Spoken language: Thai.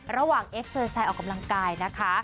เอ็กเซอร์ไซด์ออกกำลังกายนะคะ